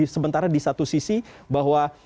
sementara di satu sisi bahwa